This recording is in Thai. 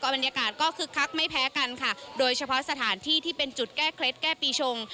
บรรยากาศก็คึกคักไม่แพ้กันค่ะโดยเฉพาะสถานที่ที่เป็นจุดแก้เคล็ดแก้ปีชง